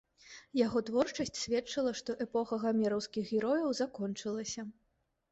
Яго творчасць сведчыла, што эпоха гамераўскіх герояў закончылася.